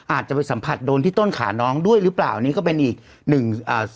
อาจจะไปสัมผัสโดนที่ต้นขาน้องด้วยหรือเปล่านี่ก็เป็นอีกหนึ่งอ่า